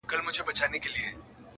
بېگانه مو په مابین کي عدالت دئ٫